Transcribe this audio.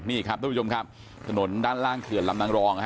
นี่ครับทุกผู้ชมครับถนนด้านล่างเขื่อนลำนางรอง